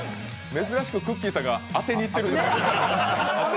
珍しく、くっきー！さんが当てにいってるんですよ。